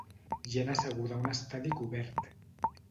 Gent asseguda a un estadi cobert.